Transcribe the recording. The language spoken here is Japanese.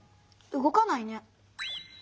動かないね。